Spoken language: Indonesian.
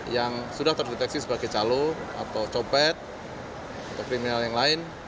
yang sudah terdeteksi sebagai calo atau copet atau kriminal yang lain